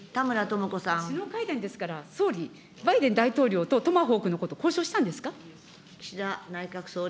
首脳会談ですから、総理、バイデン大統領とトマホークのこと、交渉したんですか。